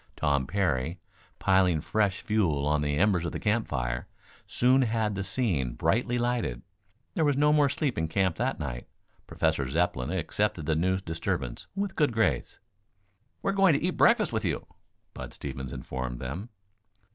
Tom Parry, piling fresh fuel on the embers of the camp fire, soon had the scene brightly lighted. There was no more sleep in camp that night. Professor Zepplin accepted the new disturbance with good grace. "We're going to eat breakfast with you," Bud Stevens informed them.